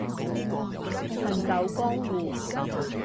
行走江湖